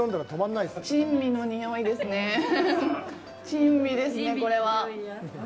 珍味ですね、これは。